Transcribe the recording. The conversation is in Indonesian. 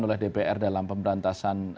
oleh dpr dalam pemberantasan